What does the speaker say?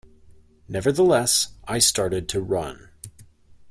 Nevertheless I started to run.